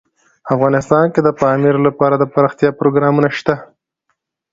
افغانستان کې د پامیر لپاره دپرمختیا پروګرامونه شته.